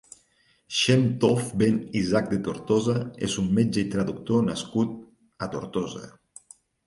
Xem Tov ben Isaac de Tortosa és un metge i traductor nascut a Tortosa.